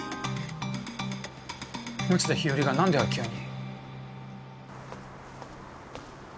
田日和がなんで空き家に？